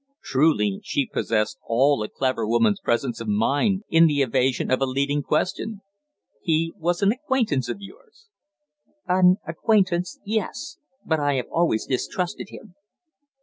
Truly she possessed all a clever woman's presence of mind in the evasion of a leading question. "He was an acquaintance of yours?" "An acquaintance yes. But I have always distrusted him."